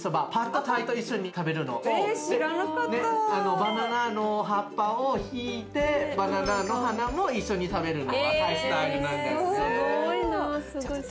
バナナの葉っぱを敷いてバナナの花も一緒に食べるのがタイスタイルなんだよね。